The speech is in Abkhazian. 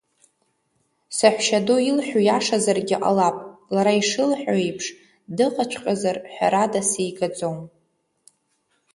Саҳәшьаду илҳәо иашазаргьы ҟалап, лара ишылҳәо еиԥш, дыҟаҵәҟьазар, ҳәарада, сигаӡом.